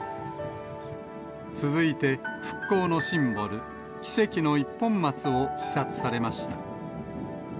続いて復興のシンボル、奇跡の一本松を視察されました。